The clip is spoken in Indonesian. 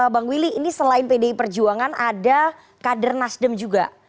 bang willy ini selain pdi perjuangan ada kader nasdem juga